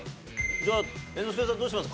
じゃあ猿之助さんどうします？